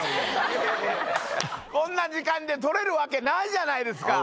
こんな時間で取れるわけないじゃないですか！